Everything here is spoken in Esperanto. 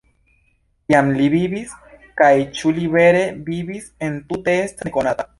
Kiam li vivis, kaj ĉu li vere vivis entute, estas nekonata.